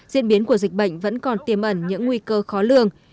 diễn biến của dịch bệnh vẫn còn tiêm ẩn những nguy cơ khó lường